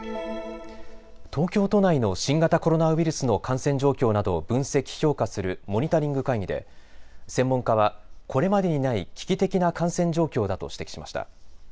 東京都内の新型コロナウイルスの感染状況などを分析・評価するモニタリング会議で専門家は、これまでにない危機的な感染状況だと指摘しました。